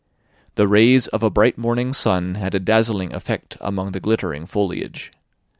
The rays of a bright morning sun had a dazzling effect among the glittering foliage.